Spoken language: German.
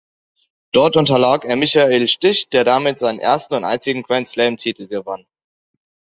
Dort unterlag er Michael Stich, der damit seinen ersten und einzigen Grand-Slam-Titel gewann.